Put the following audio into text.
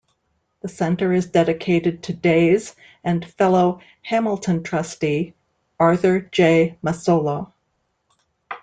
The center is dedicated to Days and fellow Hamilton trustee Arthur J. Massolo.